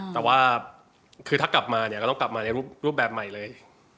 ถ้ากลับมาเนี่ยก็ต้องกลับมาเนี่ยรูปแบบใหม่เลย